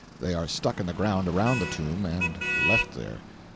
They are stuck in the ground around the tomb and left there.